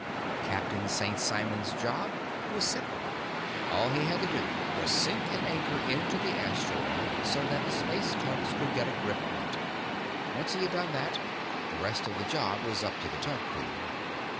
Captain St. Simon's job was simple. All he had to do was sink an anchor into the asteroid so that the space tugs could get a grip on it. Once he had done that, the rest of the job was up to the tug crew.